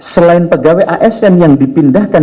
selain pegawai asn yang dipindahkan